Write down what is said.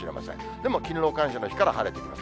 でも勤労感謝の日から晴れてきます。